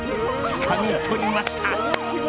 つかみ取りました。